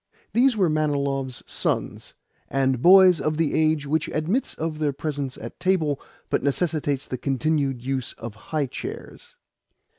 These were Manilov's sons, and boys of the age which admits of their presence at table, but necessitates the continued use of high chairs.